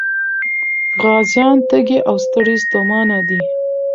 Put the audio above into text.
غازيان تږي او ستړي ستومانه دي.